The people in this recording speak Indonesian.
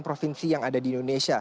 provinsi yang ada di indonesia